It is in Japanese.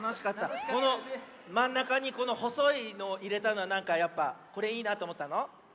このまんなかにこのほそいのをいれたのはなんかやっぱこれいいなとおもったの？